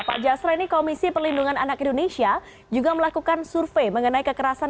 pak jasra ini komisi perlindungan anak indonesia juga melakukan survei mengenai kekerasan